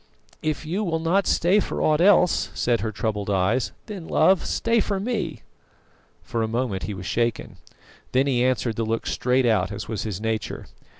"If you will not stay for aught else," said her troubled eyes, "then, love, stay for me." For a moment he was shaken. Then he answered the look straight out, as was his nature.